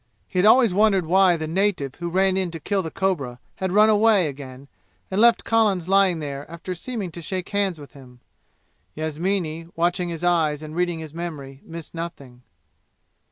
He had always wondered why the native who ran in to kill the cobra had run away again and left Collins lying there after seeming to shake hands with him. Yasmini, watching his eyes and reading his memory, missed nothing.